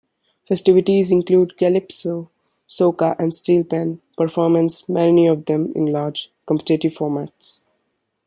Festivities include calypso, soca and steelpan performances, many of them in large, competitive formats.